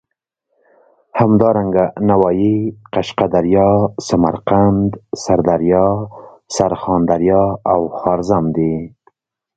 همدارنګه نوايي، قشقه دریا، سمرقند، سردریا، سرخان دریا او خوارزم دي.